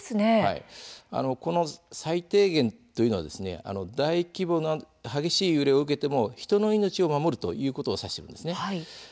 この最低限というのは大規模地震の激しい揺れを受けても人の命を守るということを指しているんです。